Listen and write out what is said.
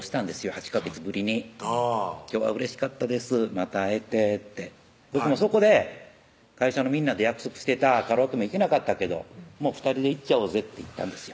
８ヵ月ぶりに「今日はうれしかったですまた会えて」って僕もそこで「会社のみんなと約束してたカラオケも行けなかったけど２人で行っちゃおうぜ」って言ったんですよ